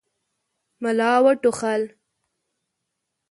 ملا وټوخل.